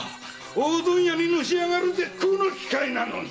大問屋にのし上がる絶好の機会なのに！